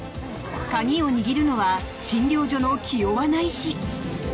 鍵を握るのは診療所の気弱な医師？